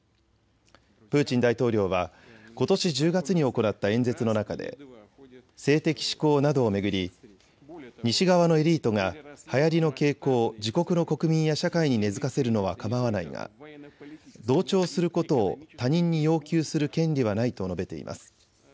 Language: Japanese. プーチン大統領はことし１０月に行った演説の中で性的指向などを巡り西側のエリートがはやりの傾向を自国の国民や社会に根づかせるのはかまわないが同調することを他人に要求する権利はないと述べています。